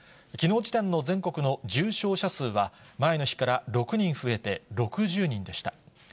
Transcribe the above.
きのう時点の全国の重症者数は、前の日から６人増えて、６０人でした。